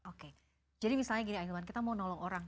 oke jadi misalnya gini ahilman kita mau nolong orang